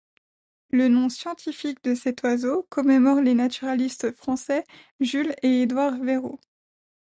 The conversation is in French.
Le nom scientifique de cet oiseau commémore les naturalistes français Jules et Edouard Verreaux.